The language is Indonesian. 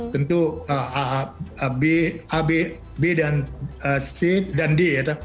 tentu a b b dan c dan d ya